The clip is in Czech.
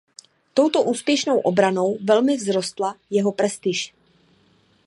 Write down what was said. Touto úspěšnou obranou velmi vzrostla jeho prestiž.